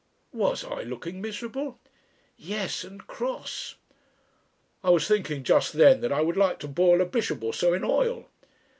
"Was I looking miserable?" "Yes. And cross!" "I was thinking just then that I would like to boil a bishop or so in oil."